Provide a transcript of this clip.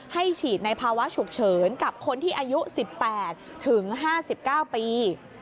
ให้ฉีดในภาวะฉุกเฉินกับคนที่อายุ๑๘ถึง๕๙ปี